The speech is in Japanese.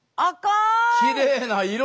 きれいな色！